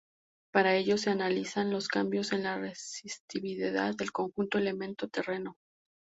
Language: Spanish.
Para ello se analizan los cambios en la resistividad del conjunto elemento-terreno.